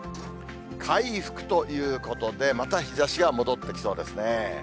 回復ということで、また日ざしが戻ってきそうですね。